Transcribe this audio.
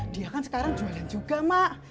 dia kan sekarang jualan juga mak